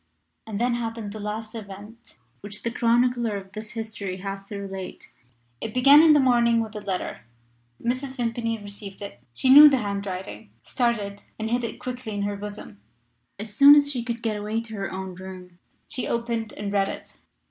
And then happened the last event which the chronicler of this history has to relate. It began in the morning with a letter. Mrs. Vimpany received it. She knew the handwriting, started, and hid it quickly in her bosom. As soon as she could get away to her own room she opened and read it.